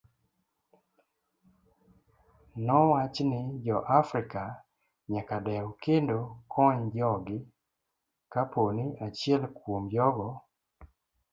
Nowach ni jo africa nyaka dew kendo kony jogi kaponi achiel kuom jogo.